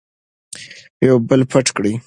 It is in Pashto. یو بل پټ کړئ.